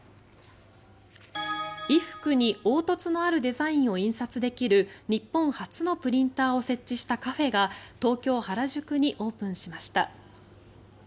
衣服に凹凸のあるデザインを印刷できる日本初のプリンターを設置したカフェが東京・原宿にオープンしました。